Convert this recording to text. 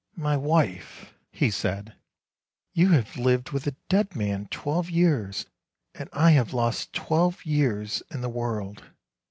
" My wife," he said, " you have lived with a dead man twelve years, and I have lost twelve years in the world.